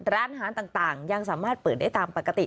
ร้านอาหารต่างยังสามารถเปิดได้ตามปกติ